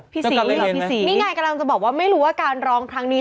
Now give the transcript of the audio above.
พี่ซีกำลังจะบอกว่าไม่รู้ว่าการรองครั้งนี้